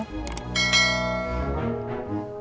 ya makasih ya